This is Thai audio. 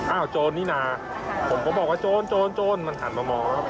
อ้าวโจรนี่นาผมก็บอกว่าโจรมันหันมามอง